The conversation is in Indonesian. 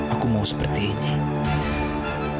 aku mau seperti ini